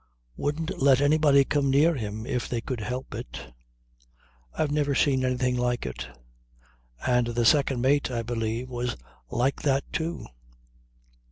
Wouldn't let anybody come near him if they could help it. I've never seen anything like it. And the second mate, I believe, was like that too."